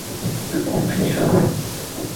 Amenifanyia amani.